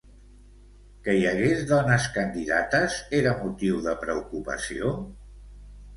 Que hi hagués dones candidates era motiu de preocupació?